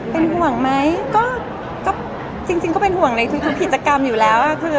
เป็นห่วงไหมก็จริงก็เป็นห่วงในทุกกิจกรรมอยู่แล้ว